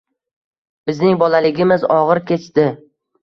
Bizning bolaligimiz og‘ir kechdi